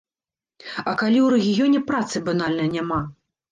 А калі ў рэгіёне працы банальна няма?